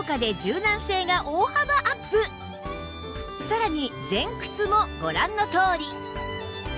さらに前屈もご覧のとおり